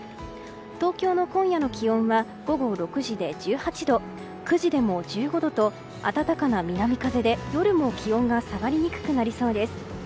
東京の今夜の気温は午後６時で１８度９時でも１５度と暖かな南風で夜も気温が下がりにくくなりそうです。